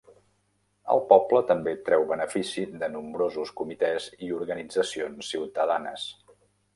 El poble també treu benefici de nombrosos comitès i organitzacions ciutadanes.